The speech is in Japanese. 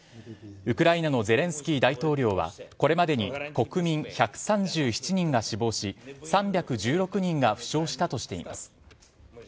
ウクライナのゼレンスキー大統領はこれまでに国民１３７人が死亡し３１６人が負傷したとしています。